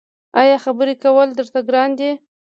ایا خبرې کول درته ګران دي؟